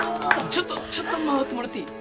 ちょっとちょっと回ってもらっていい？